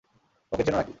ওকে চেনো নাকি?